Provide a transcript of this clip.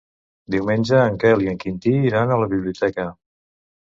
Diumenge en Quel i en Quintí iran a la biblioteca.